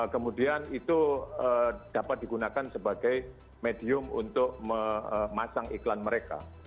kemudian itu dapat digunakan sebagai medium untuk memasang iklan mereka